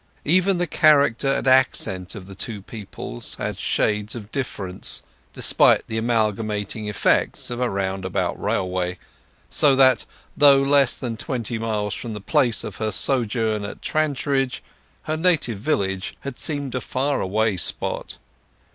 Even the character and accent of the two peoples had shades of difference, despite the amalgamating effects of a roundabout railway; so that, though less than twenty miles from the place of her sojourn at Trantridge, her native village had seemed a far away spot.